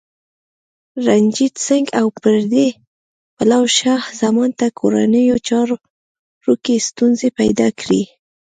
رنجیت سنګ او پردي پلوو شاه زمان ته کورنیو چارو کې ستونزې پیدا کړې.